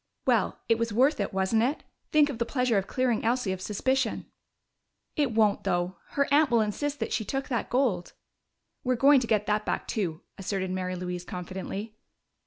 "Well, it was worth it, wasn't it? Think of the pleasure of clearing Elsie of suspicion!" "It won't, though. Her aunt will insist that she took that gold." "We're going to get that back too," asserted Mary Louise confidently.